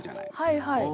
はいはい。